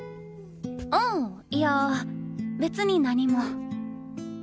あいや別に何も。